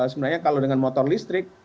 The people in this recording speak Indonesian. sebenarnya kalau dengan motor listrik